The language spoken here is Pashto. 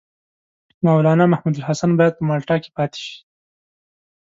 مولنا محمودالحسن باید په مالټا کې پاته شي.